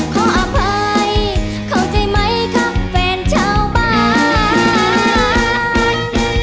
ขออภัยเข้าใจไหมครับแฟนชาวบ้าน